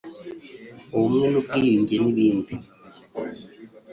ubumwe n’ubwiyunge n’ibindi